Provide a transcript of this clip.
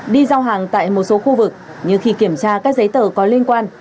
đi giao hàng tại một số khu vực như khi kiểm tra các giấy tờ có liên quan